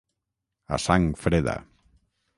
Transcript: A sang freda.